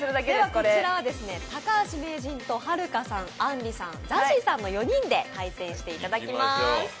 こちらは高橋名人とはるかさん、あんりさん、ＺＡＺＹさんの４人で対戦していただきます。